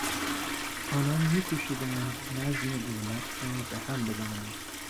آنان میکوشیدند نظم دولت را به هم بزنند.